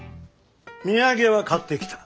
土産は買ってきた。